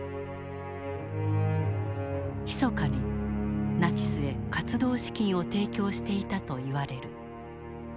ひそかにナチスへ活動資金を提供していたといわれる。